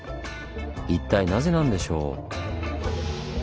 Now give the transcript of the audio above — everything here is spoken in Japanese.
一体なぜなんでしょう？